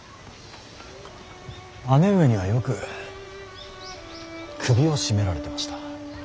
姉上にはよく首を絞められてました。